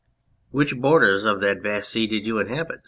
" Which border of that vast sea did you inhabit